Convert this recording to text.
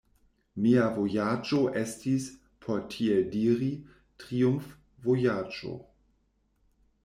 Mia vojaĝo estis, por tiel diri, triumfvojaĝo.